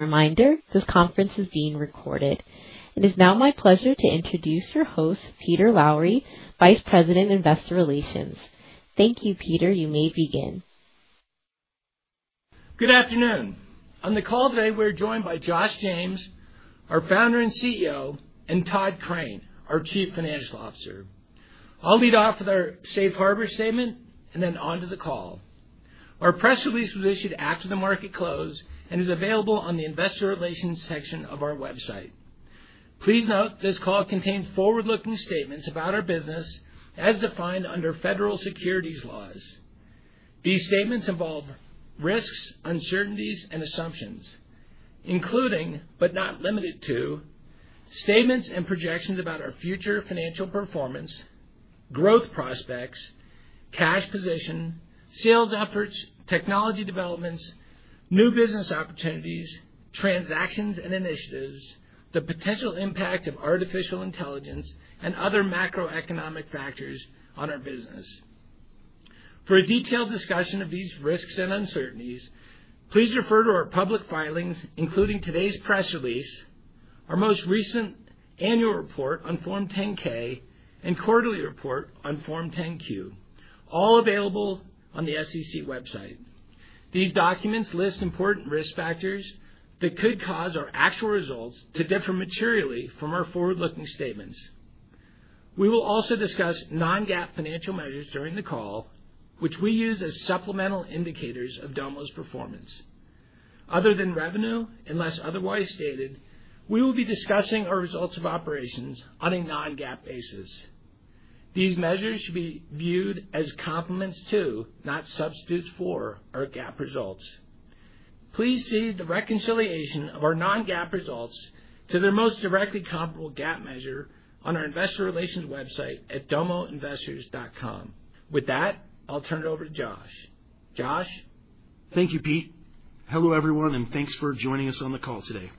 Reminder, this conference is being recorded. It is now my pleasure to introduce your host, Peter Lowry, Vice President, Investor Relations. Thank you, Peter. You may begin. Good afternoon. On the call today, we're joined by Josh James, our Founder and CEO, and Tod Crane, our Chief Financial Officer. I'll lead off with our Safe Harbor statement and then on to the call. Our press release was issued after the market closed and is available on the Investor Relations section of our website. Please note this call contains forward-looking statements about our business as defined under federal securities laws. These statements involve risks, uncertainties, and assumptions, including, but not limited to, statements and projections about our future financial performance, growth prospects, cash position, sales efforts, technology developments, new business opportunities, transactions and initiatives, the potential impact of artificial intelligence, and other macroeconomic factors on our business. For a detailed discussion of these risks and uncertainties, please refer to our public filings, including today's press release, our most recent annual report on Form 10-K, and quarterly report on Form 10-Q, all available on the SEC website. These documents list important risk factors that could cause our actual results to differ materially from our forward-looking statements. We will also discuss non-GAAP financial measures during the call, which we use as supplemental indicators of Domo's performance. Other than revenue, unless otherwise stated, we will be discussing our results of operations on a non-GAAP basis. These measures should be viewed as complements to, not substitutes for, our GAAP results. Please see the reconciliation of our non-GAAP results to their most directly comparable GAAP measure on our Investor Relations website at domoinvestors.com. With that, I'll turn it over to Josh. Josh. Thank you, Pete. Hello everyone, and thanks for joining us on the call today.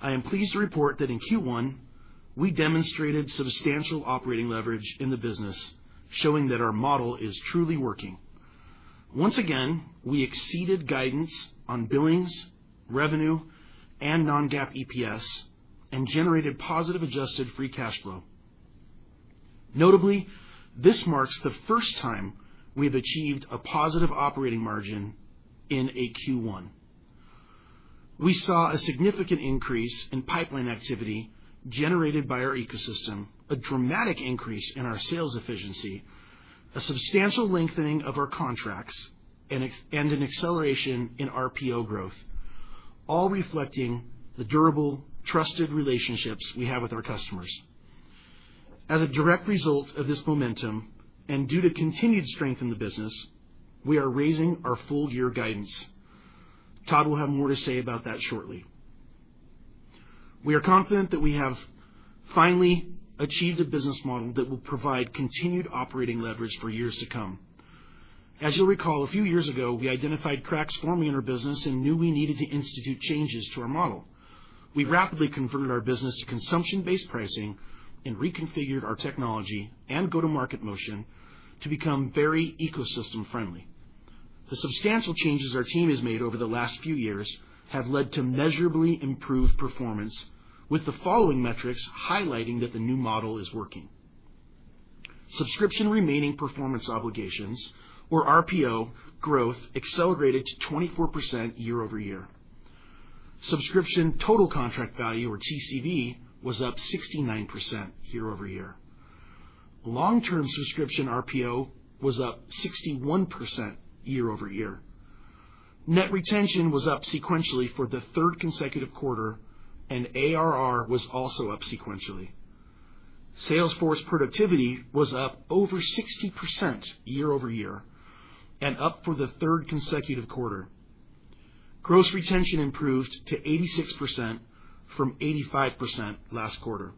I am pleased to report that in Q1, we demonstrated substantial operating leverage in the business, showing that our model is truly working. Once again, we exceeded guidance on billings, revenue, and non-GAAP EPS, and generated positive adjusted free cash flow. Notably, this marks the first time we've achieved a positive operating margin in a Q1. We saw a significant increase in pipeline activity generated by our ecosystem, a dramatic increase in our sales efficiency, a substantial lengthening of our contracts, and an acceleration in RPO growth, all reflecting the durable, trusted relationships we have with our customers. As a direct result of this momentum, and due to continued strength in the business, we are raising our full-year guidance. Tod will have more to say about that shortly. We are confident that we have finally achieved a business model that will provide continued operating leverage for years to come. As you'll recall, a few years ago, we identified cracks forming in our business and knew we needed to institute changes to our model. We rapidly converted our business to consumption-based pricing and reconfigured our technology and go-to-market motion to become very ecosystem-friendly. The substantial changes our team has made over the last few years have led to measurably improved performance, with the following metrics highlighting that the new model is working. Subscription remaining performance obligations, or RPO, growth accelerated to 24% year-over-year. Subscription Total Contract Value, or TCV, was up 69% year-over-year. Long-term Subscription RPO was up 61% year-over-year. Net retention was up sequentially for the third consecutive quarter, and ARR was also up sequentially. Salesforce productivity was up over 60% year-over-year and up for the third consecutive quarter. Gross retention improved to 86% from 85% last quarter.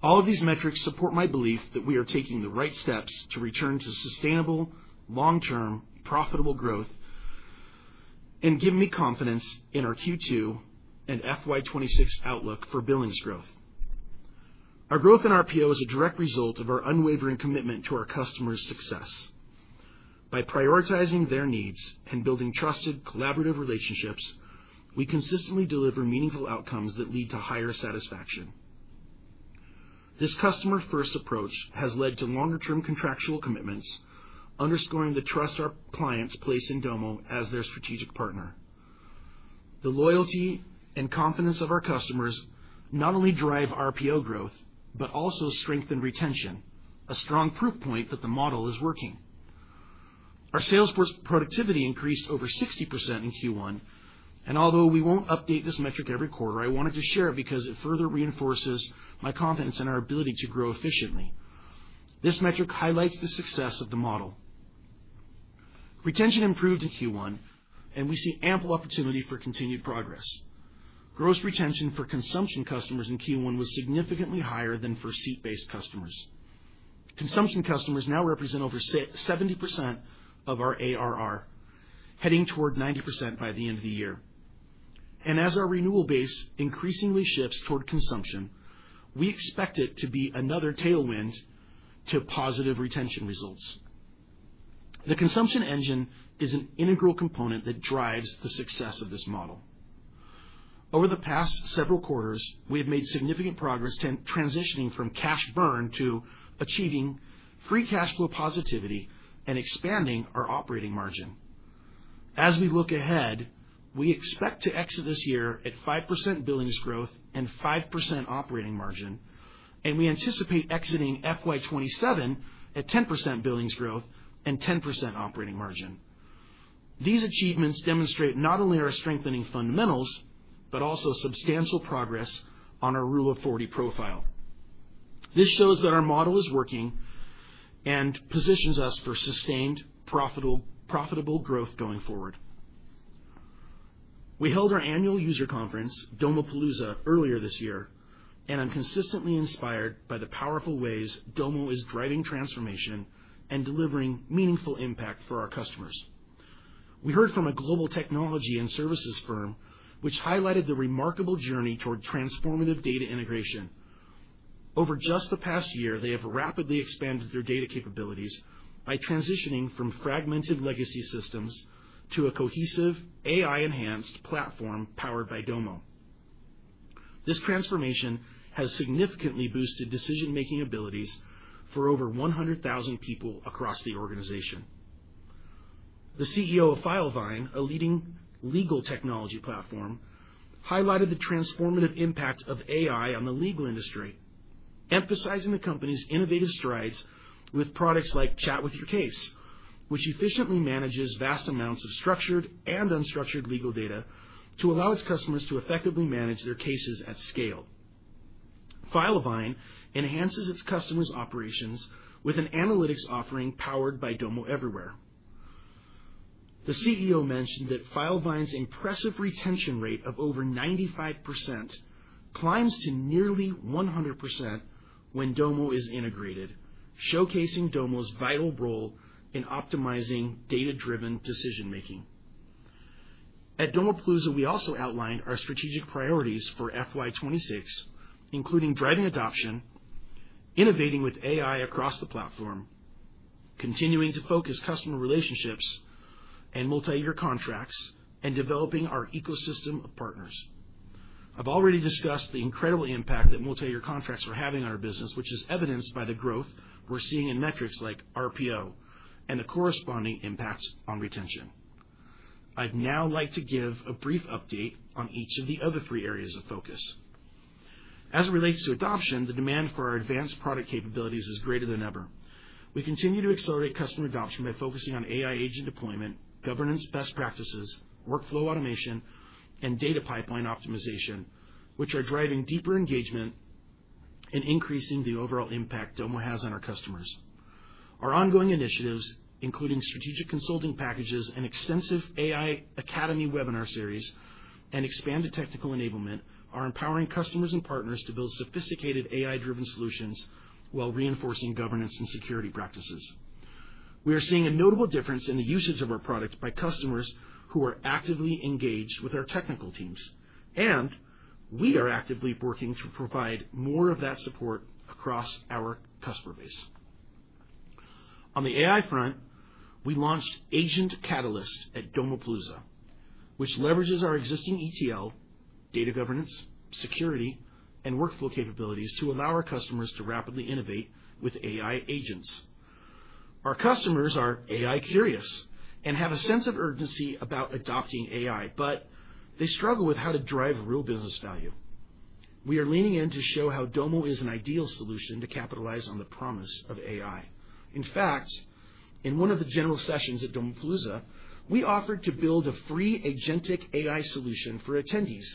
All of these metrics support my belief that we are taking the right steps to return to sustainable, long-term, profitable growth and give me confidence in our Q2 and FY 2026 outlook for billings growth. Our growth in RPO is a direct result of our unwavering commitment to our customers' success. By prioritizing their needs and building trusted, collaborative relationships, we consistently deliver meaningful outcomes that lead to higher satisfaction. This customer-first approach has led to longer-term contractual commitments, underscoring the trust our clients place in Domo as their strategic partner. The loyalty and confidence of our customers not only drive RPO growth but also strengthen retention, a strong proof point that the model is working. Our Salesforce productivity increased over 60% in Q1, and although we won't update this metric every quarter, I wanted to share it because it further reinforces my confidence in our ability to grow efficiently. This metric highlights the success of the model. Retention improved in Q1, and we see ample opportunity for continued progress. Gross retention for consumption customers in Q1 was significantly higher than for seat-based customers. Consumption customers now represent over 70% of our ARR, heading toward 90% by the end of the year. As our renewal base increasingly shifts toward consumption, we expect it to be another tailwind to positive retention results. The consumption engine is an integral component that drives the success of this model. Over the past several quarters, we have made significant progress transitioning from cash burn to achieving free cash flow positivity and expanding our operating margin. As we look ahead, we expect to exit this year at 5% billings growth and 5% operating margin, and we anticipate exiting FY 2027 at 10% billings growth and 10% operating margin. These achievements demonstrate not only our strengthening fundamentals but also substantial progress on our Rule of 40 profile. This shows that our model is working and positions us for sustained, profitable growth going forward. We held our annual user conference, Domopalooza, earlier this year, and I'm consistently inspired by the powerful ways Domo is driving transformation and delivering meaningful impact for our customers. We heard from a global technology and services firm, which highlighted the remarkable journey toward transformative data integration. Over just the past year, they have rapidly expanded their data capabilities by transitioning from fragmented legacy systems to a cohesive, AI-enhanced platform powered by Domo. This transformation has significantly boosted decision-making abilities for over 100,000 people across the organization. The CEO of Filevine, a leading legal technology platform, highlighted the transformative impact of AI on the legal industry, emphasizing the company's innovative strides with products like Chat with Your Case, which efficiently manages vast amounts of structured and unstructured legal data to allow its customers to effectively manage their cases at scale. Filevine enhances its customers' operations with an analytics offering powered by Domo Everywhere. The CEO mentioned that Filevine's impressive retention rate of over 95% climbs to nearly 100% when Domo is integrated, showcasing Domo's vital role in optimizing data-driven decision-making. At Domopalooza, we also outlined our strategic priorities for FY 2026, including driving adoption, innovating with AI across the platform, continuing to focus customer relationships and multi-year contracts, and developing our ecosystem of partners. I've already discussed the incredible impact that multi-year contracts are having on our business, which is evidenced by the growth we're seeing in metrics like RPO and the corresponding impacts on retention. I'd now like to give a brief update on each of the other three areas of focus. As it relates to adoption, the demand for our advanced product capabilities is greater than ever. We continue to accelerate customer adoption by focusing on AI agent deployment, governance best practices, workflow automation, and data pipeline optimization, which are driving deeper engagement and increasing the overall impact Domo has on our customers. Our ongoing initiatives, including strategic consulting packages and extensive AI cademy webinar series and expanded technical enablement, are empowering customers and partners to build sophisticated AI-driven solutions while reinforcing governance and security practices. We are seeing a notable difference in the usage of our product by customers who are actively engaged with our technical teams, and we are actively working to provide more of that support across our customer base. On the AI front, we launched Agent Catalyst at Domopalooza, which leverages our existing ETL, data governance, security, and workflow capabilities to allow our customers to rapidly innovate with AI agents. Our customers are AI-curious and have a sense of urgency about adopting AI, but they struggle with how to drive real business value. We are leaning in to show how Domo is an ideal solution to capitalize on the promise of AI. In fact, in one of the general sessions at Domopalooza, we offered to build a free agentic AI solution for attendees,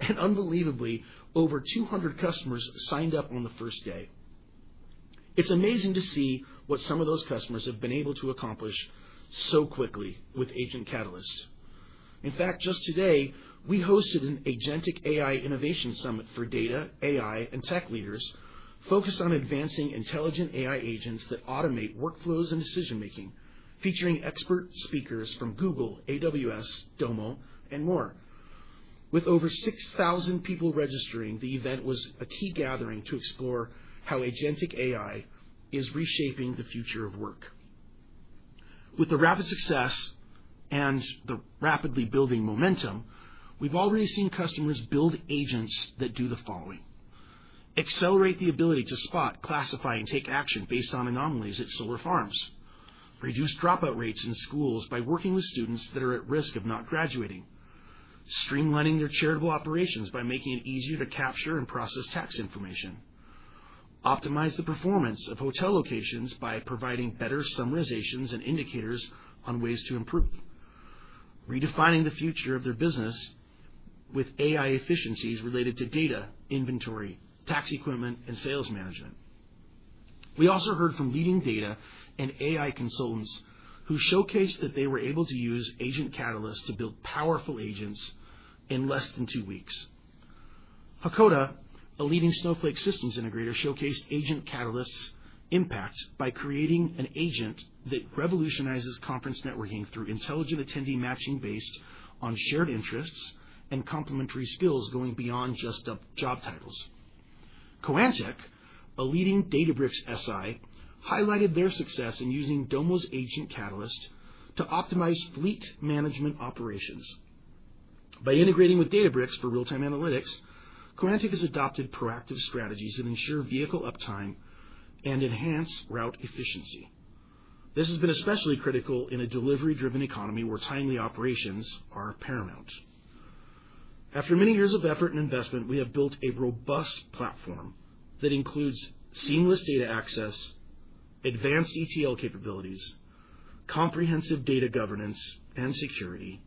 and unbelievably, over 200 customers signed up on the first day. It's amazing to see what some of those customers have been able to accomplish so quickly with Agent Catalyst. In fact, just today, we hosted an Agentic AI Innovation Summit for data, AI, and tech leaders focused on advancing intelligent AI agents that automate workflows and decision-making, featuring expert speakers from Google, AWS, Domo, and more. With over 6,000 people registering, the event was a key gathering to explore how agentic AI is reshaping the future of work. With the rapid success and the rapidly building momentum, we've already seen customers build agents that do the following: accelerate the ability to spot, classify, and take action based on anomalies at solar farms, reduce dropout rates in schools by working with students that are at risk of not graduating, streamlining their charitable operations by making it easier to capture and process tax information, optimize the performance of hotel locations by providing better summarizations and indicators on ways to improve, redefining the future of their business with AI efficiencies related to data, inventory, tax equipment, and sales management. We also heard from leading data and AI consultants who showcased that they were able to use Agent Catalyst to build powerful agents in less than two weeks. Hakkoda, a leading Snowflake Systems Integrator, showcased Agent Catalyst's impact by creating an agent that revolutionizes conference networking through intelligent attendee matching based on shared interests and complementary skills, going beyond just job titles. Koantek, a leading Databricks SI, highlighted their success in using Domo's Agent Catalyst to optimize fleet management operations. By integrating with Databricks for real-time analytics, Koantek has adopted proactive strategies that ensure vehicle uptime and enhance route efficiency. This has been especially critical in a delivery-driven economy where timely operations are paramount. After many years of effort and investment, we have built a robust platform that includes seamless data access, advanced ETL capabilities, comprehensive data governance and security,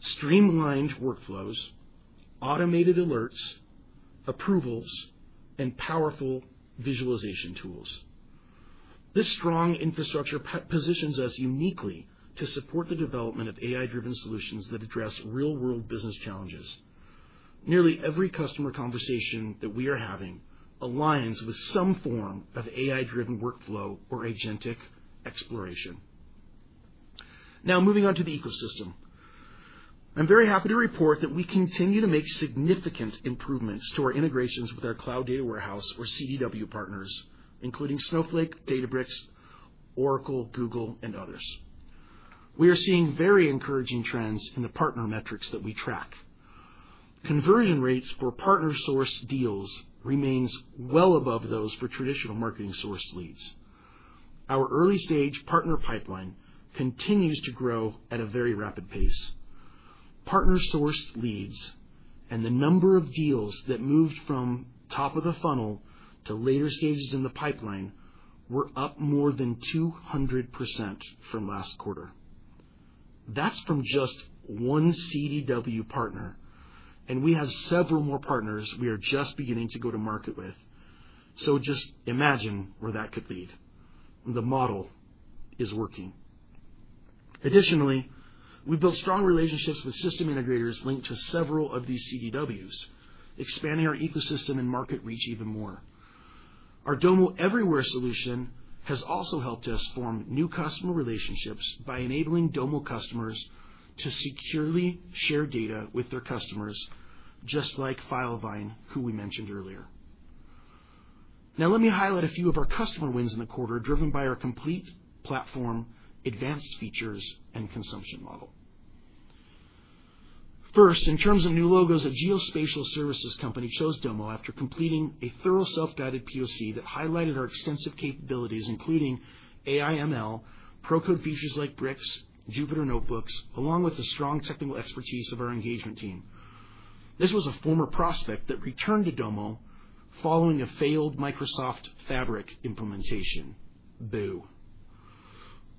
streamlined workflows, automated alerts, approvals, and powerful visualization tools. This strong infrastructure positions us uniquely to support the development of AI-driven solutions that address real-world business challenges. Nearly every customer conversation that we are having aligns with some form of AI-driven workflow or agentic exploration. Now, moving on to the ecosystem, I'm very happy to report that we continue to make significant improvements to our integrations with our cloud data warehouse or CDW partners, including Snowflake, Databricks, Oracle, Google, and others. We are seeing very encouraging trends in the partner metrics that we track. Conversion rates for partner-sourced deals remain well above those for traditional marketing-sourced leads. Our early-stage partner pipeline continues to grow at a very rapid pace. Partner-sourced leads and the number of deals that moved from top of the funnel to later stages in the pipeline were up more than 200% from last quarter. That's from just one CDW partner, and we have several more partners we are just beginning to go to market with, so just imagine where that could lead. The model is working. Additionally, we built strong relationships with system integrators linked to several of these CDWs, expanding our ecosystem and market reach even more. Our Domo Everywhere solution has also helped us form new customer relationships by enabling Domo customers to securely share data with their customers, just like Filevine, who we mentioned earlier. Now, let me highlight a few of our customer wins in the quarter driven by our complete platform, advanced features, and consumption model. First, in terms of new logos, a geospatial services company chose Domo after completing a thorough self-guided POC that highlighted our extensive capabilities, including AI/ML, pro-code features like Bricks, Jupyter Notebooks, along with the strong technical expertise of our engagement team. This was a former prospect that returned to Domo following a failed Microsoft Fabric implementation, [boo].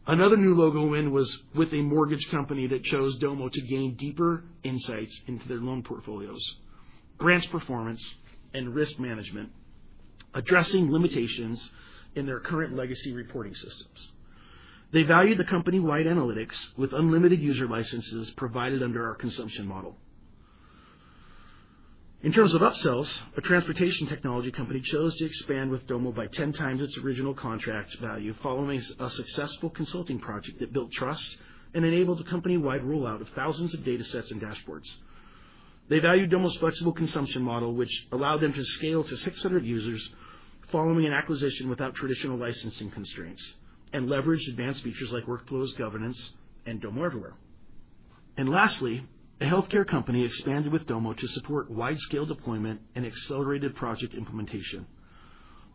Another new logo win was with a mortgage company that chose Domo to gain deeper insights into their loan portfolios, branch performance, and risk management, addressing limitations in their current legacy reporting systems. They valued the company-wide analytics with unlimited user licenses provided under our consumption model. In terms of upsells, a transportation technology company chose to expand with Domo by 10x its original contract value, following a successful consulting project that built trust and enabled a company-wide rollout of thousands of data sets and dashboards. They valued Domo's flexible consumption model, which allowed them to scale to 600 users following an acquisition without traditional licensing constraints, and leveraged advanced features like workflows, governance, and Domo Everywhere. Lastly, a healthcare company expanded with Domo to support wide-scale deployment and accelerated project implementation.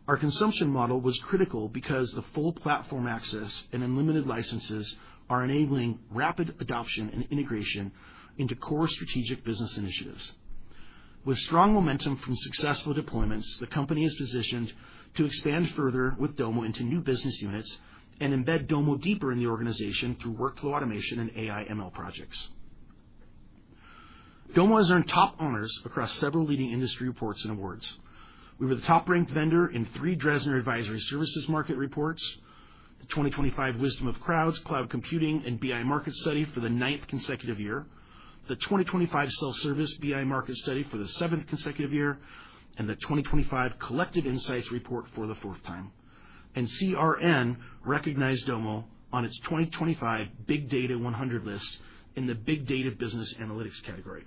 Our consumption model was critical because the full platform access and unlimited licenses are enabling rapid adoption and integration into core strategic business initiatives. With strong momentum from successful deployments, the company is positioned to expand further with Domo into new business units and embed Domo deeper in the organization through workflow automation and AI/ML projects. Domo has earned top honors across several leading industry reports and awards. We were the top-ranked vendor in three Dresner Advisory Services market reports: the 2025 Wisdom of Crowds, Cloud Computing, and BI Market Study for the ninth consecutive year, the 2025 Self-Service BI Market Study for the seventh consecutive year, and the 2025 Collective Insights report for the fourth time. CRN recognized Domo on its 2025 Big Data 100 list in the Big Data Business Analytics category.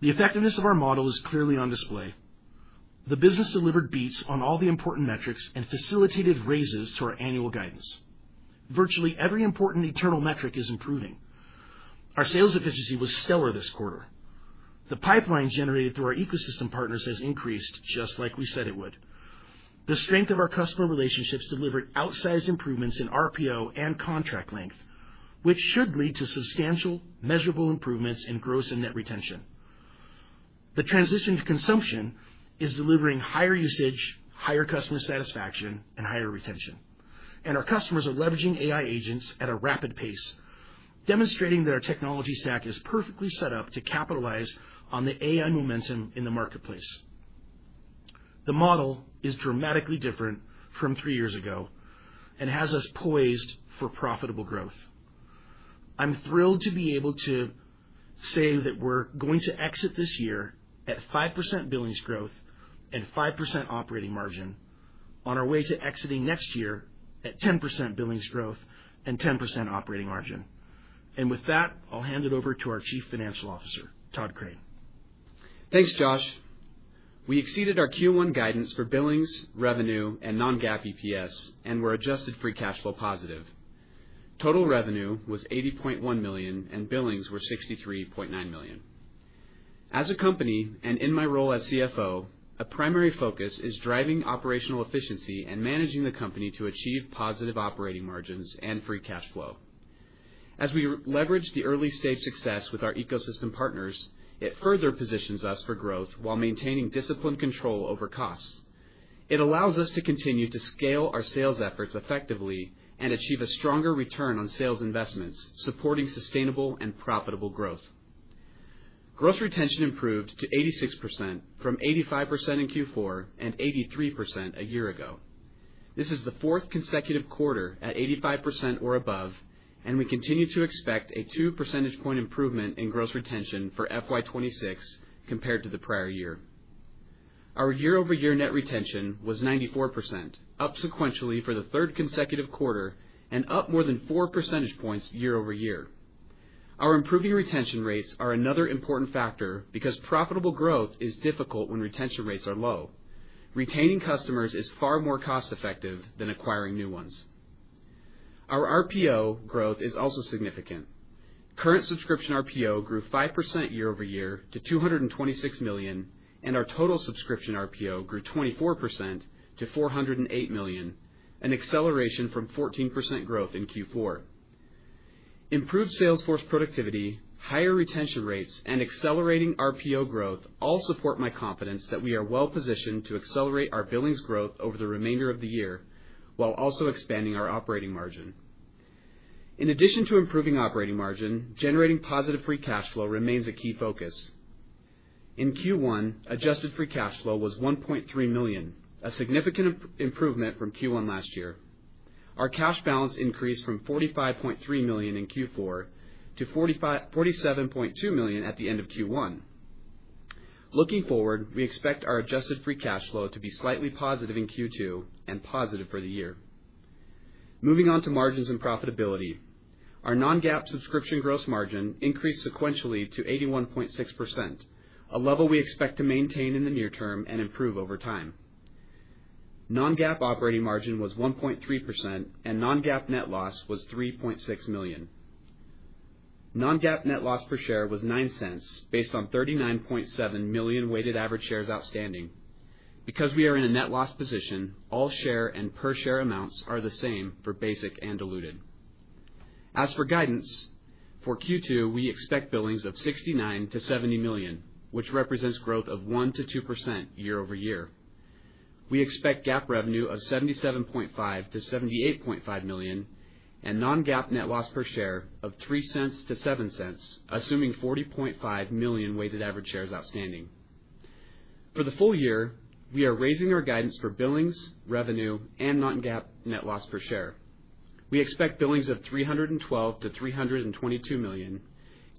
The effectiveness of our model is clearly on display. The business delivered beats on all the important metrics and facilitated raises to our annual guidance. Virtually every important internal metric is improving. Our sales efficiency was stellar this quarter. The pipeline generated through our ecosystem partners has increased, just like we said it would. The strength of our customer relationships delivered outsized improvements in RPO and contract length, which should lead to substantial, measurable improvements in gross and net retention. The transition to consumption is delivering higher usage, higher customer satisfaction, and higher retention. Our customers are leveraging AI agents at a rapid pace, demonstrating that our technology stack is perfectly set up to capitalize on the AI momentum in the marketplace. The model is dramatically different from three years ago and has us poised for profitable growth. I'm thrilled to be able to say that we're going to exit this year at 5% billings growth and 5% operating margin, on our way to exiting next year at 10% billings growth and 10% operating margin. With that, I'll hand it over to our Chief Financial Officer, Tod Crane. Thanks, Josh. We exceeded our Q1 guidance for billings, revenue, and non-GAAP EPS and were adjusted free cash flow positive. Total revenue was $80.1 million and billings were $63.9 million. As a company and in my role as CFO, a primary focus is driving operational efficiency and managing the company to achieve positive operating margins and free cash flow. As we leverage the early-stage success with our ecosystem partners, it further positions us for growth while maintaining disciplined control over costs. It allows us to continue to scale our sales efforts effectively and achieve a stronger return on sales investments, supporting sustainable and profitable growth. Gross retention improved to 86% from 85% in Q4 and 83% a year ago. This is the fourth consecutive quarter at 85% or above, and we continue to expect a 2 percentage point improvement in gross retention for FY 2026 compared to the prior year. Our year-over-year net retention was 94%, up sequentially for the third consecutive quarter and up more than 4 percentage points year-over-year. Our improving retention rates are another important factor because profitable growth is difficult when retention rates are low. Retaining customers is far more cost-effective than acquiring new ones. Our RPO growth is also significant. Current subscription RPO grew 5% year-over-year to $226 million, and our total subscription RPO grew 24% to $408 million, an acceleration from 14% growth in Q4. Improved Salesforce productivity, higher retention rates, and accelerating RPO growth all support my confidence that we are well-positioned to accelerate our billings growth over the remainder of the year while also expanding our operating margin. In addition to improving operating margin, generating positive free cash flow remains a key focus. In Q1, adjusted free cash flow was $1.3 million, a significant improvement from Q1 last year. Our cash balance increased from $45.3 million in Q4 to $47.2 million at the end of Q1. Looking forward, we expect our adjusted free cash flow to be slightly positive in Q2 and positive for the year. Moving on to margins and profitability. Our non-GAAP subscription gross margin increased sequentially to 81.6%, a level we expect to maintain in the near term and improve over time. Non-GAAP operating margin was 1.3%, and non-GAAP net loss was $3.6 million. Non-GAAP net loss per share was $0.09 based on 39.7 million weighted average shares outstanding. Because we are in a net loss position, all share and per share amounts are the same for basic and diluted. As for guidance, for Q2, we expect billings of $69 million-$70 million, which represents growth of 1%-2% year-over-year. We expect GAAP revenue of $77.5 million-$78.5 million and non-GAAP net loss per share of $0.03-$0.07, assuming 40.5 million weighted average shares outstanding. For the full year, we are raising our guidance for billings, revenue, and non-GAAP net loss per share. We expect billings of $312 million-$322 million,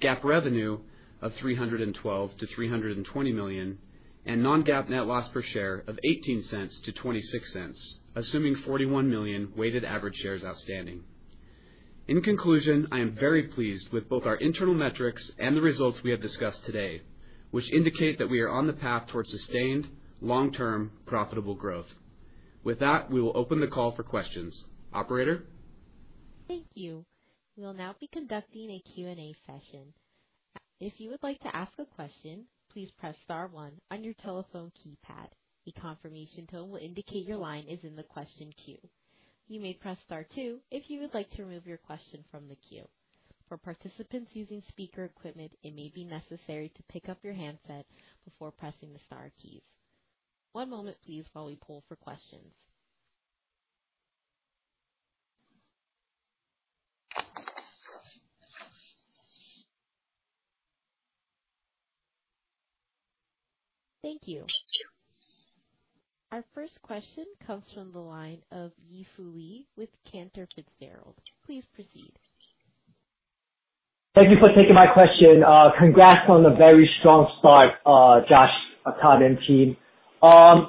GAAP revenue of $312 million-$320 million, and non-GAAP net loss per share of $0.18-$0.26, assuming 41 million weighted average shares outstanding. In conclusion, I am very pleased with both our internal metrics and the results we have discussed today, which indicate that we are on the path towards sustained, long-term, profitable growth. With that, we will open the call for questions. Operator? Thank you. We'll now be conducting a Q&A session. If you would like to ask a question, please press star one on your telephone keypad. The confirmation tone will indicate your line is in the question queue. You may press star two if you would like to remove your question from the queue. For participants using speaker equipment, it may be necessary to pick up your handset before pressing the star keys. One moment, please, while we pull for questions. Thank you. Our first question comes from the line of Yi Fu Lee with Cantor Fitzgerald. Please proceed. Thank you for taking my question. Congrats on a very strong start, Josh, Tod, and team.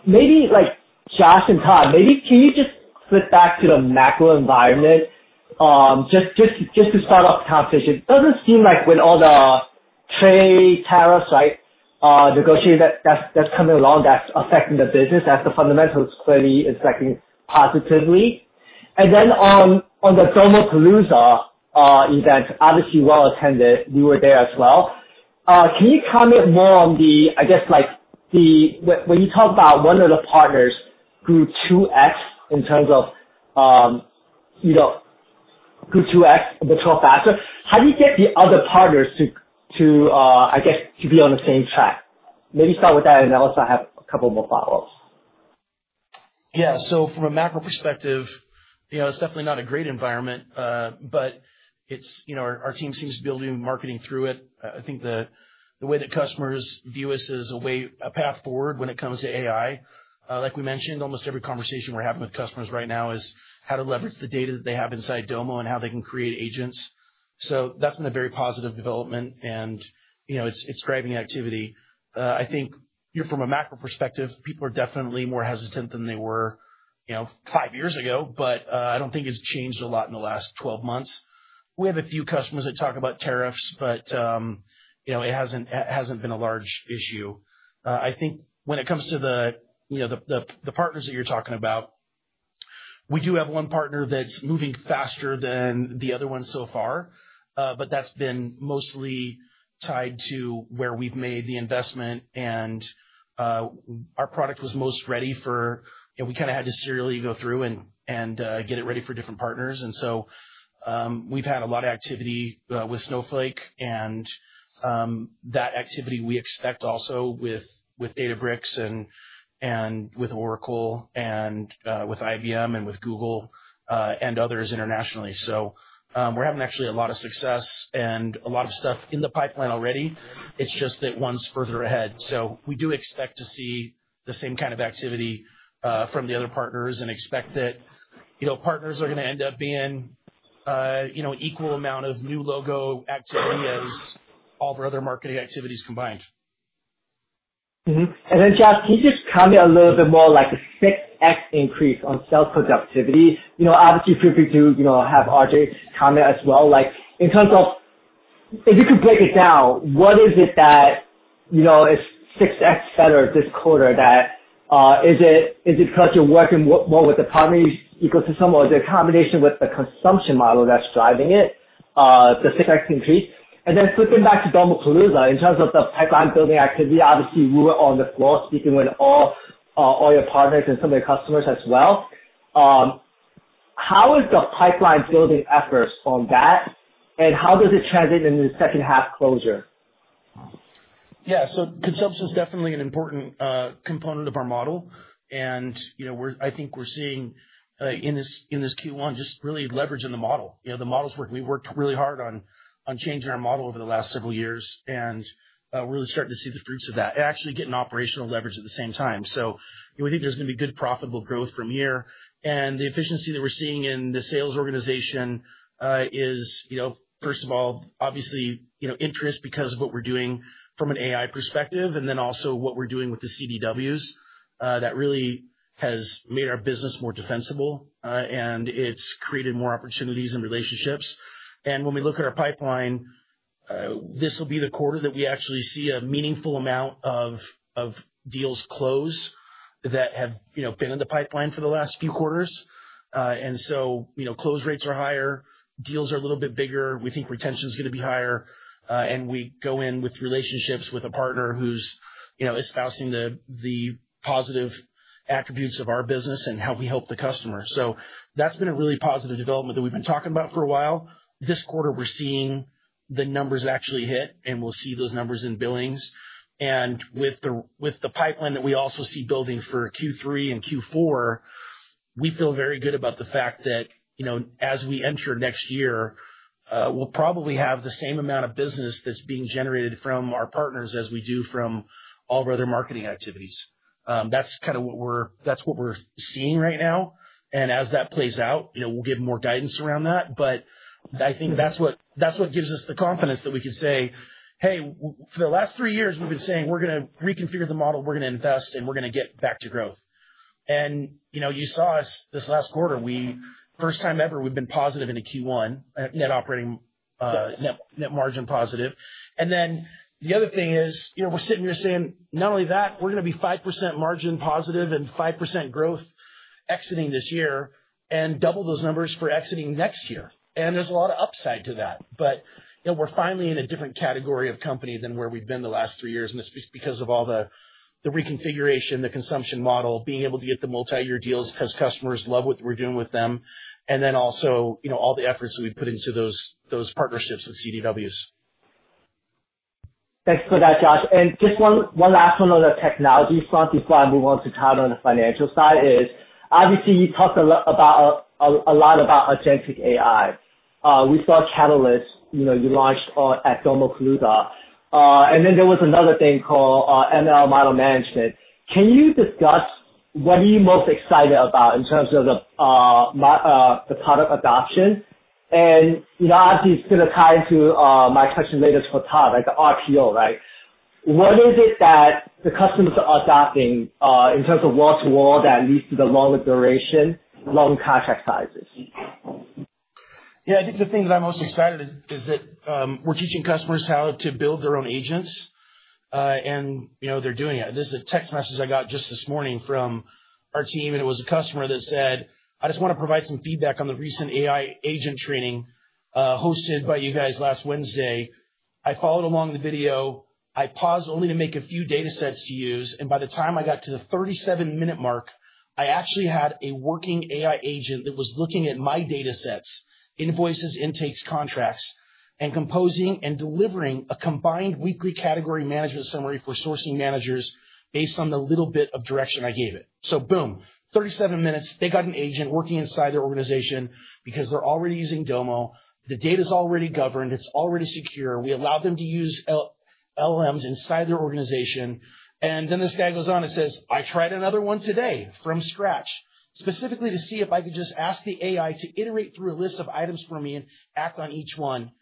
Maybe like Josh and Tod, maybe can you just flip back to the macro environment just to start off the conversation? It does not seem like with all the trade tariffs, right, negotiators that are coming along, that is affecting the business. That is the fundamentals clearly affecting positively. On the Domopalooza event, obviously well attended, you were there as well. Can you comment more on the, I guess, like when you talk about one of the partners grew 2x in terms of grew 2x and [2x] faster, how do you get the other partners to, I guess, to be on the same track? Maybe start with that, and then I'll also have a couple more follow-ups. Yeah. From a macro perspective, it's definitely not a great environment, but our team seems to be able to do marketing through it. I think the way that customers view us is a way, a path forward when it comes to AI. Like we mentioned, almost every conversation we're having with customers right now is how to leverage the data that they have inside Domo and how they can create agents. That's been a very positive development, and it's driving activity. From a macro perspective, people are definitely more hesitant than they were five years ago, but I don't think it's changed a lot in the last 12 months. We have a few customers that talk about tariffs, but it hasn't been a large issue. I think when it comes to the partners that you're talking about, we do have one partner that's moving faster than the other one so far, but that's been mostly tied to where we've made the investment, and our product was most ready for. We kind of had to serially go through and get it ready for different partners. We have had a lot of activity with Snowflake, and that activity we expect also with Databricks and with Oracle and with IBM and with Google and others internationally. We are having actually a lot of success and a lot of stuff in the pipeline already. It's just that one's further ahead. We do expect to see the same kind of activity from the other partners and expect that partners are going to end up being equal amount of new logo activity as all of our other marketing activities combined. Josh, can you just comment a little bit more like a 6x increase on sales productivity? Obviously, people do have other comments as well. In terms of if you could break it down, what is it that is 6x better this quarter? Is it because you're working more with the partner ecosystem or the combination with the consumption model that's driving it, the 6x increase? Flipping back to Domopalooza, in terms of the pipeline building activity, obviously we were on the floor speaking with all your partners and some of your customers as well. How is the pipeline building efforts on that, and how does it translate into the second half closure? Yeah. So consumption is definitely an important component of our model, and I think we're seeing in this Q1 just really leveraging the model. The model's working. We've worked really hard on changing our model over the last several years, and we're really starting to see the fruits of that and actually getting operational leverage at the same time. We think there's going to be good profitable growth from here. The efficiency that we're seeing in the sales organization is, first of all, obviously interest because of what we're doing from an AI perspective, and then also what we're doing with the CDWs that really has made our business more defensible, and it's created more opportunities and relationships. When we look at our pipeline, this will be the quarter that we actually see a meaningful amount of deals close that have been in the pipeline for the last few quarters. Close rates are higher, deals are a little bit bigger. We think retention is going to be higher, and we go in with relationships with a partner who's espousing the positive attributes of our business and how we help the customer. That has been a really positive development that we've been talking about for a while. This quarter, we're seeing the numbers actually hit, and we'll see those numbers in billings. With the pipeline that we also see building for Q3 and Q4, we feel very good about the fact that as we enter next year, we'll probably have the same amount of business that's being generated from our partners as we do from all of our other marketing activities. That's kind of what we're seeing right now. As that plays out, we'll give more guidance around that. I think that's what gives us the confidence that we can say, "Hey, for the last three years, we've been saying we're going to reconfigure the model, we're going to invest, and we're going to get back to growth." You saw us this last quarter. First time ever, we've been positive in a Q1, net margin positive. Then the other thing is we're sitting here saying, "Not only that, we're going to be 5% margin positive and 5% growth exiting this year," and double those numbers for exiting next year. There's a lot of upside to that. We're finally in a different category of company than where we've been the last three years, and it's because of all the reconfiguration, the consumption model, being able to get the multi-year deals because customers love what we're doing with them, and also all the efforts that we put into those partnerships with CDWs. Thanks for that, Josh. Just one last one on the technology front before I move on to talk on the financial side is, obviously, you talked a lot about agentic AI. We saw Catalyst you launched at Domopalooza. There was another thing called ML Model Management. Can you discuss what are you most excited about in terms of the product adoption? Obviously, it's going to tie into my question later for Tod, like the RPO, right? What is it that the customers are adopting in terms of wall-to-wall that leads to the longer duration, long contract sizes? Yeah. I think the thing that I'm most excited is that we're teaching customers how to build their own agents, and they're doing it. This is a text message I got just this morning from our team, and it was a customer that said, "I just want to provide some feedback on the recent AI agent training hosted by you guys last Wednesday." I followed along the video. I paused only to make a few data sets to use, and by the time I got to the 37-minute mark, I actually had a working AI agent that was looking at my data sets, invoices, intakes, contracts, and composing and delivering a combined weekly category management summary for sourcing managers based on the little bit of direction I gave it. Boom, 37 minutes, they got an agent working inside their organization because they're already using Domo. The data is already governed. It's already secure. We allowed them to use LLMs inside their organization. Then this guy goes on and says, "I tried another one today from scratch, specifically to see if I could just ask the AI to iterate through a list of items for me and act on each one.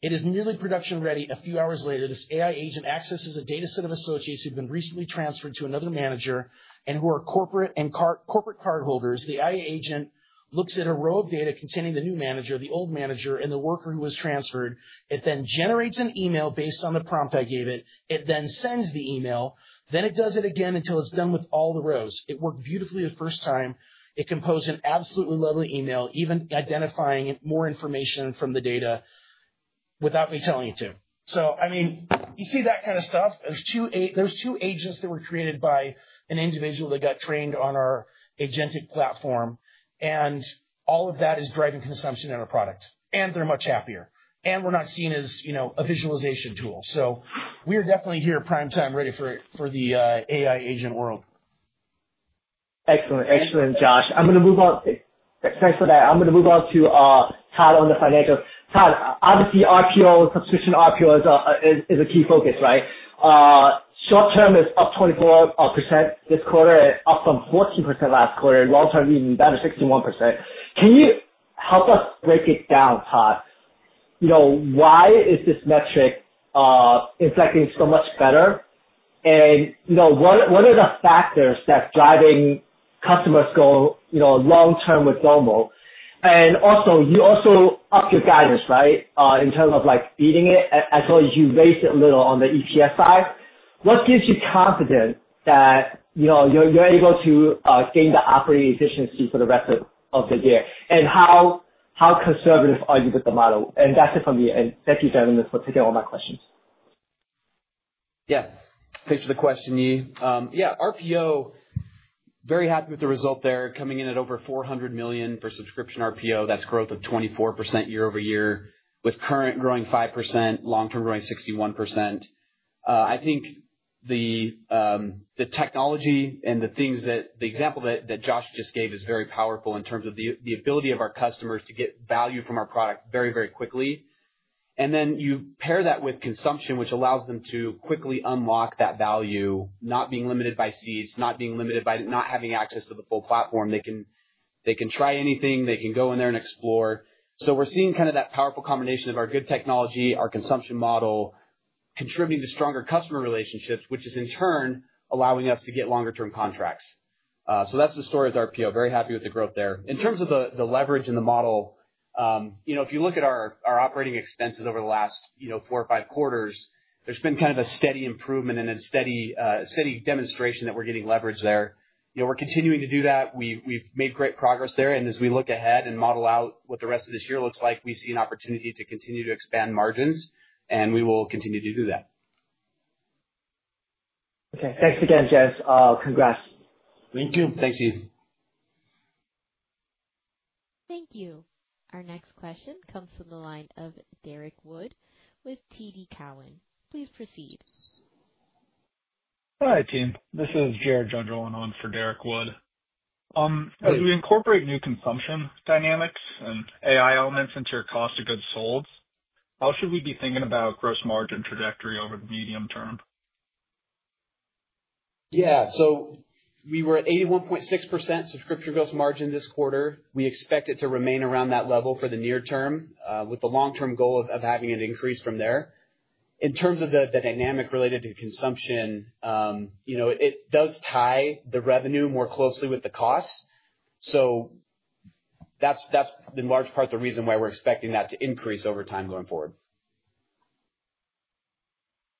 It is nearly production ready. A few hours later, this AI agent accesses a data set of associates who've been recently transferred to another manager and who are corporate cardholders. The AI agent looks at a row of data containing the new manager, the old manager, and the worker who was transferred. It then generates an email based on the prompt I gave it. It then sends the email. Then it does it again until it's done with all the rows. It worked beautifully the first time. It composed an absolutely lovely email, even identifying more information from the data without me telling it to. I mean, you see that kind of stuff. There's two agents that were created by an individual that got trained on our agentic platform, and all of that is driving consumption in our product. They're much happier. We're not seen as a visualization tool. We are definitely here prime time ready for the AI agent world. Excellent. Excellent, Josh. I'm going to move on. Thanks for that. I'm going to move on to Tod on the financial. Tod, obviously, RPO, subscription RPO is a key focus, right? Short term is up 24% this quarter and up from 14% last quarter. Long term even better, 61%. Can you help us break it down, Tod? Why is this metric inflecting so much better? And what are the factors that's driving customers' goal long term with Domo? You also upped your guidance, right, in terms of beating it, as well as you raised it a little on the ETL side. What gives you confidence that you're able to gain the operating efficiency for the rest of the year? How conservative are you with the model? That's it from me. Thank you, gentlemen, for taking all my questions. Yeah. Thanks for the question, Yi. Yeah. RPO, very happy with the result there. Coming in at over $400 million for subscription RPO. That's growth of 24% year-over-year, with current growing 5%, long term growing 61%. I think the technology and the example that Josh just gave is very powerful in terms of the ability of our customers to get value from our product very, very quickly. You pair that with consumption, which allows them to quickly unlock that value, not being limited by seats, not being limited by not having access to the full platform. They can try anything. They can go in there and explore. We're seeing kind of that powerful combination of our good technology, our consumption model contributing to stronger customer relationships, which is in turn allowing us to get longer-term contracts. That's the story with RPO. Very happy with the growth there. In terms of the leverage and the model, if you look at our operating expenses over the last four or five quarters, there's been kind of a steady improvement and a steady demonstration that we're getting leverage there. We're continuing to do that. We've made great progress there. As we look ahead and model out what the rest of this year looks like, we see an opportunity to continue to expand margins, and we will continue to do that. Okay. Thanks again, Josh. Congrats. Thank you. Thanks, Yi. Thank you. Our next question comes from the line of Derrick Wood with TD Cowen. Please proceed. Hi, team. This is Jared Jungjohann on for Derrick Wood. As we incorporate new consumption dynamics and AI elements into your cost of goods sold, how should we be thinking about gross margin trajectory over the medium term? Yeah. So we were at 81.6% subscription gross margin this quarter. We expect it to remain around that level for the near term, with the long-term goal of having an increase from there. In terms of the dynamic related to consumption, it does tie the revenue more closely with the cost. That is in large part the reason why we are expecting that to increase over time going forward.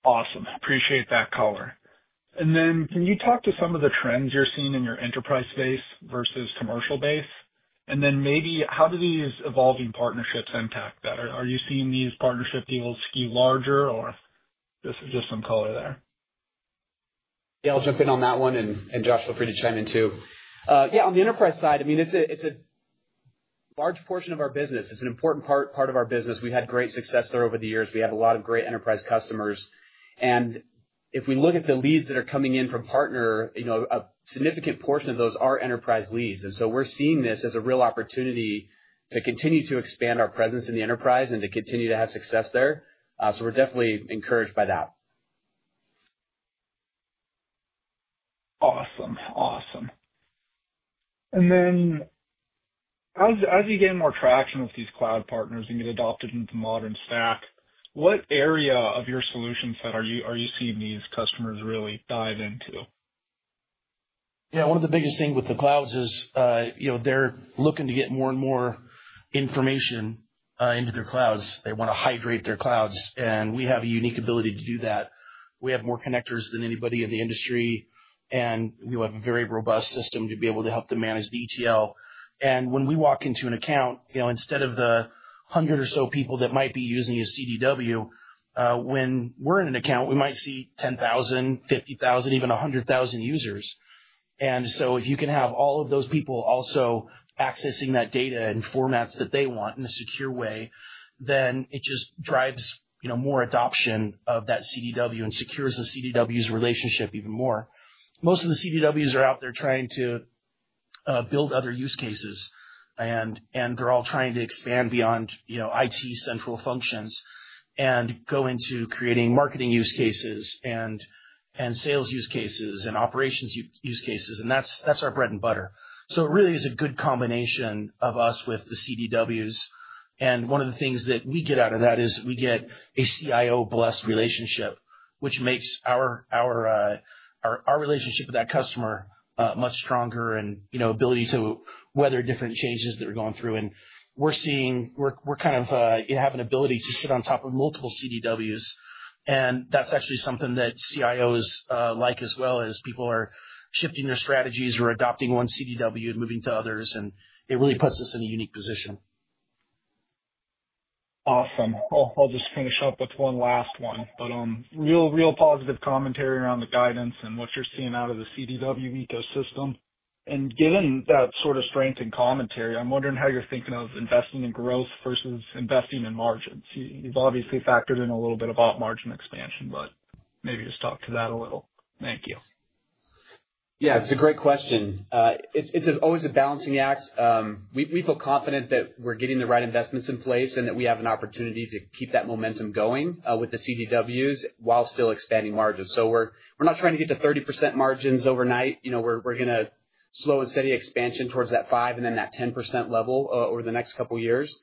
Awesome. Appreciate that color. Can you talk to some of the trends you are seeing in your enterprise base versus commercial base? Maybe how do these evolving partnerships impact that? Are you seeing these partnership deals skew larger, or this is just some color there? Yeah. I'll jump in on that one. And Josh, feel free to chime in too. Yeah. On the enterprise side, I mean, it's a large portion of our business. It's an important part of our business. We've had great success there over the years. We have a lot of great enterprise customers. If we look at the leads that are coming in from partner, a significant portion of those are enterprise leads. We are seeing this as a real opportunity to continue to expand our presence in the enterprise and to continue to have success there. We are definitely encouraged by that. Awesome. Awesome. As you gain more traction with these cloud partners and get adopted into modern stack, what area of your solution set are you seeing these customers really dive into? Yeah. One of the biggest things with the clouds is they're looking to get more and more information into their clouds. They want to hydrate their clouds. We have a unique ability to do that. We have more connectors than anybody in the industry, and we have a very robust system to be able to help them manage the ETL. When we walk into an account, instead of the hundred or so people that might be using a CDW, when we're in an account, we might see 10,000, 50,000, even 100,000 users. If you can have all of those people also accessing that data in formats that they want in a secure way, it just drives more adoption of that CDW and secures the CDW's relationship even more. Most of the CDWs are out there trying to build other use cases, and they're all trying to expand beyond IT central functions and go into creating marketing use cases and sales use cases and operations use cases. That's our bread and butter. It really is a good combination of us with the CDWs. One of the things that we get out of that is we get a CIO-blessed relationship, which makes our relationship with that customer much stronger and ability to weather different changes that we're going through. We're kind of having the ability to sit on top of multiple CDWs. That's actually something that CIOs like as well as people are shifting their strategies or adopting one CDW and moving to others. It really puts us in a unique position. Awesome. I'll just finish up with one last one, but real positive commentary around the guidance and what you're seeing out of the CDW ecosystem. And given that sort of strength and commentary, I'm wondering how you're thinking of investing in growth versus investing in margins. You've obviously factored in a little bit about margin expansion, but maybe just talk to that a little. Thank you. Yeah. It's a great question. It's always a balancing act. We feel confident that we're getting the right investments in place and that we have an opportunity to keep that momentum going with the CDWs while still expanding margins. We're not trying to get to 30% margins overnight. We're going to slow and steady expansion towards that 5% and then that 10% level over the next couple of years.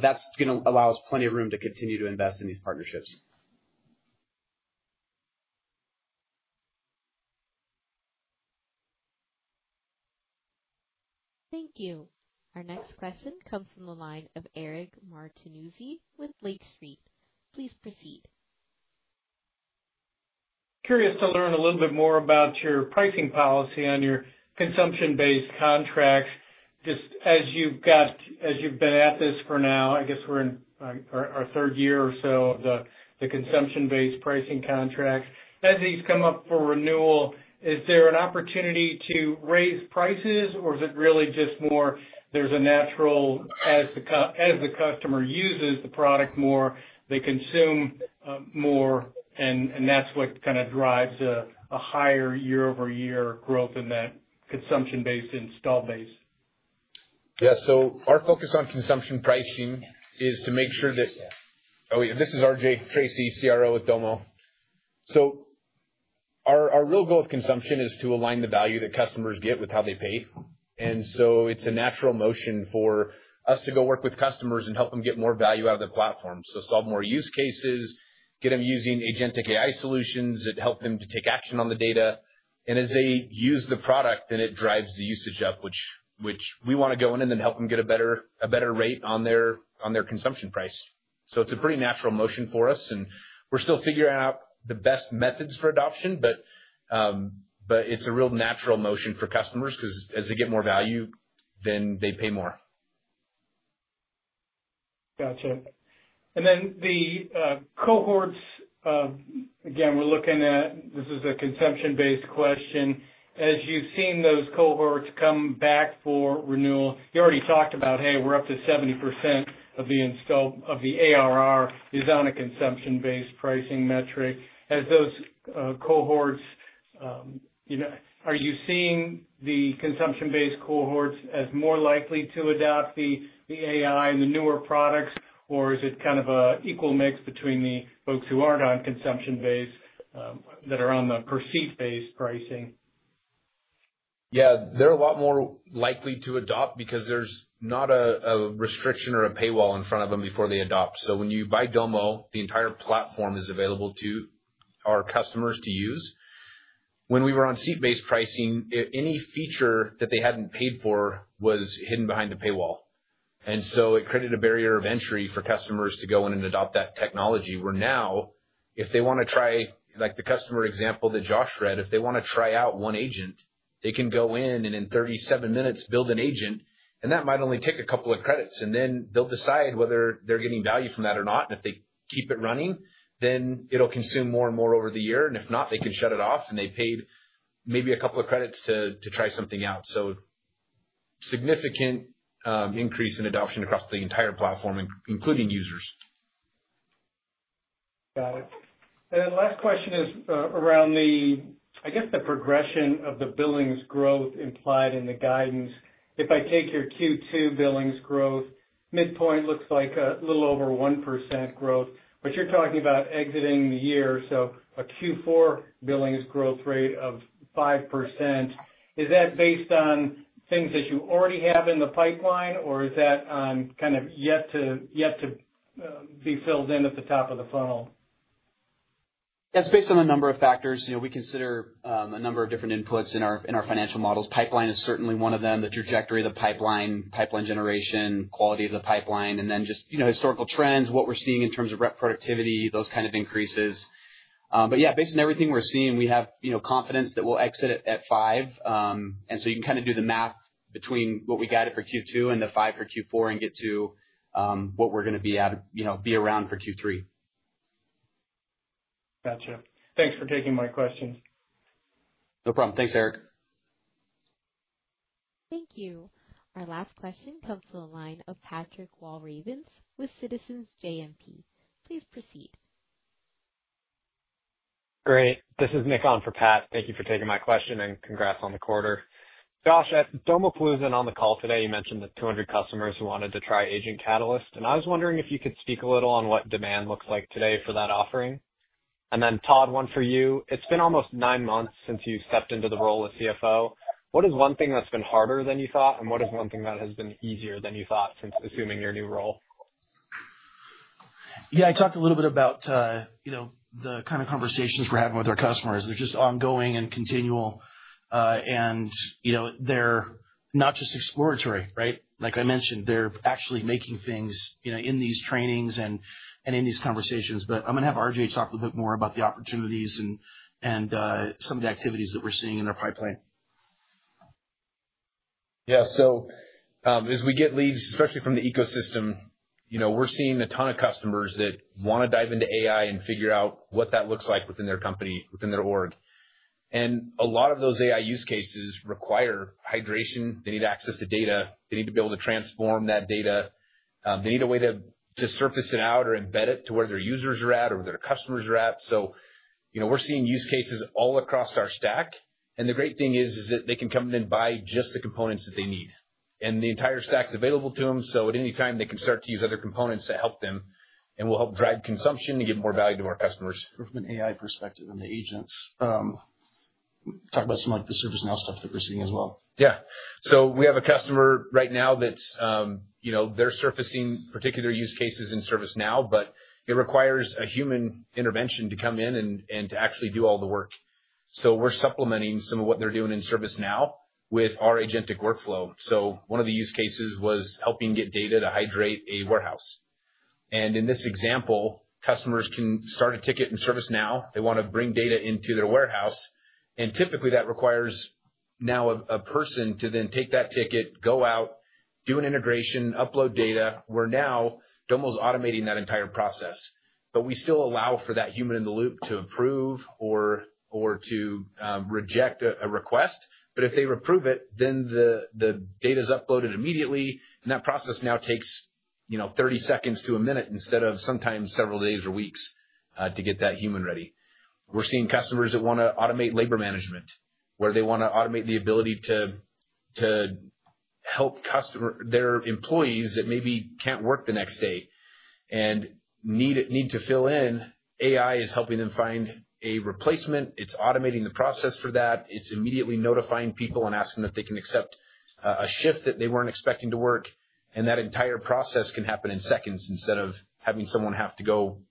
That's going to allow us plenty of room to continue to invest in these partnerships. Thank you. Our next question comes from the line of Eric Martinuzzi with Lake Street. Please proceed. Curious to learn a little bit more about your pricing policy on your consumption-based contracts. Just as you've been at this for now, I guess we're in our third year or so of the consumption-based pricing contracts. As these come up for renewal, is there an opportunity to raise prices, or is it really just more there's a natural as the customer uses the product more, they consume more, and that's what kind of drives a higher year-over-year growth in that consumption-based install base? Yeah. Our focus on consumption pricing is to make sure that oh, yeah. This is RJ Tracy, CRO at Domo. Our real goal of consumption is to align the value that customers get with how they pay. It is a natural motion for us to go work with customers and help them get more value out of the platform. Solve more use cases, get them using agentic AI solutions that help them to take action on the data. As they use the product, it drives the usage up, which we want to go in and then help them get a better rate on their consumption price. It is a pretty natural motion for us. We are still figuring out the best methods for adoption, but it is a real natural motion for customers because as they get more value, they pay more. Gotcha. The cohorts, again, we are looking at this is a consumption-based question. As you've seen those cohorts come back for renewal, you already talked about, "Hey, we're up to 70% of the ARR is on a consumption-based pricing metric." As those cohorts, are you seeing the consumption-based cohorts as more likely to adopt the AI and the newer products, or is it kind of an equal mix between the folks who aren't on consumption-based that are on the per seat-based pricing? Yeah. They're a lot more likely to adopt because there's not a restriction or a paywall in front of them before they adopt. When you buy Domo, the entire platform is available to our customers to use. When we were on seat-based pricing, any feature that they hadn't paid for was hidden behind the paywall. It created a barrier of entry for customers to go in and adopt that technology. Where now, if they want to try the customer example that Josh read, if they want to try out one agent, they can go in and in 37 minutes build an agent. That might only take a couple of credits. They will decide whether they're getting value from that or not. If they keep it running, then it'll consume more and more over the year. If not, they can shut it off. They paid maybe a couple of credits to try something out. Significant increase in adoption across the entire platform, including users. Got it. Last question is around the, I guess, the progression of the billings growth implied in the guidance. If I take your Q2 billings growth, midpoint looks like a little over 1% growth. You're talking about exiting the year, so a Q4 billings growth rate of 5%. Is that based on things that you already have in the pipeline, or is that on kind of yet to be filled in at the top of the funnel? That's based on a number of factors. We consider a number of different inputs in our financial models. Pipeline is certainly one of them. The trajectory of the pipeline, pipeline generation, quality of the pipeline, and then just historical trends, what we're seeing in terms of rep productivity, those kind of increases. Yeah, based on everything we're seeing, we have confidence that we'll exit at 5%. You can kind of do the math between what we got it for Q2 and the 5% for Q4 and get to what we're going to be around for Q3. Gotcha. Thanks for taking my question. No problem. Thanks, Eric. Thank you. Our last question comes from the line of Patrick Walravens with Citizens JMP. Please proceed. Great. This is Nick on for Pat. Thank you for taking my question and congrats on the quarter. Josh, at Domopalooza and on the call today, you mentioned the 200 customers who wanted to try Agent Catalyst. I was wondering if you could speak a little on what demand looks like today for that offering. And then Tod, one for you. It's been almost nine months since you stepped into the role of CFO. What is one thing that's been harder than you thought, and what is one thing that has been easier than you thought since assuming your new role? Yeah. I talked a little bit about the kind of conversations we're having with our customers. They're just ongoing and continual. They're not just exploratory, right? Like I mentioned, they're actually making things in these trainings and in these conversations. I'm going to have RJ talk a little bit more about the opportunities and some of the activities that we're seeing in their pipeline. Yeah. As we get leads, especially from the ecosystem, we're seeing a ton of customers that want to dive into AI and figure out what that looks like within their company, within their org. A lot of those AI use cases require hydration. They need access to data. They need to be able to transform that data. They need a way to surface it out or embed it to where their users are at or where their customers are at. We're seeing use cases all across our stack. The great thing is that they can come in and buy just the components that they need. The entire stack's available to them. At any time, they can start to use other components to help them. We'll help drive consumption and give more value to our customers. From an AI perspective and the agents, talk about some of the ServiceNow stuff that we're seeing as well. Yeah. We have a customer right now that they're surfacing particular use cases in ServiceNow, but it requires a human intervention to come in and to actually do all the work. We're supplementing some of what they're doing in ServiceNow with our Agentic workflow. One of the use cases was helping get data to hydrate a warehouse. In this example, customers can start a ticket in ServiceNow. They want to bring data into their warehouse. Typically, that requires now a person to then take that ticket, go out, do an integration, upload data. We're now Domo's automating that entire process. We still allow for that human in the loop to approve or to reject a request. If they approve it, then the data is uploaded immediately. That process now takes 30 seconds to a minute instead of sometimes several days or weeks to get that human ready. We're seeing customers that want to automate labor management, where they want to automate the ability to help their employees that maybe can't work the next day and need to fill in. AI is helping them find a replacement. It's automating the process for that. It's immediately notifying people and asking if they can accept a shift that they weren't expecting to work. That entire process can happen in seconds instead of having someone have to go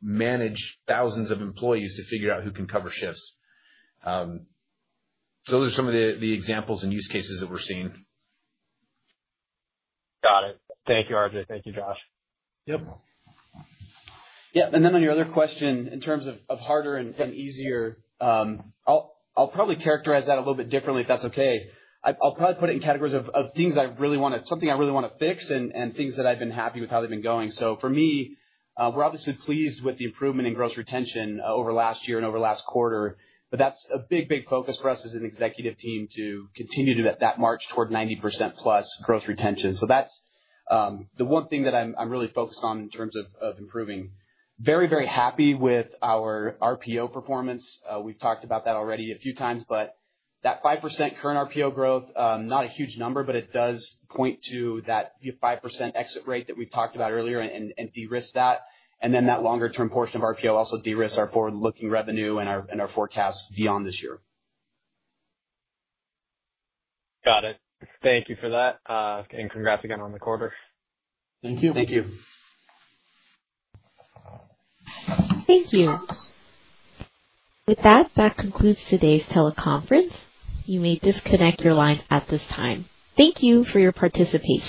manage thousands of employees to figure out who can cover shifts. Those are some of the examples and use cases that we're seeing. Got it. Thank you, RJ. Thank you, Josh. Yep. Yeah. On your other question, in terms of harder and easier, I'll probably characterize that a little bit differently, if that's okay. I'll probably put it in categories of things I really want to fix and things that I've been happy with how they've been going. For me, we're obviously pleased with the improvement in gross retention over last year and over last quarter. That's a big, big focus for us as an executive team to continue to do that march toward 90%+ gross retention. That's the one thing that I'm really focused on in terms of improving. Very, very happy with our RPO performance. We've talked about that already a few times. That 5% current RPO growth, not a huge number, but it does point to that 5% exit rate that we talked about earlier and de-risk that. That longer-term portion of RPO also de-risks our forward-looking revenue and our forecast beyond this year. Got it. Thank you for that. And congrats again on the quarter. Thank you. Thank you. Thank you. With that, that concludes today's teleconference. You may disconnect your line at this time. Thank you for your participation.